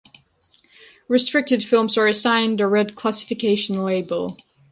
Restricted films are assigned a red classification label.